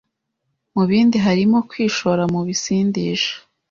Mu bindi harimo kwishora mu bisindisha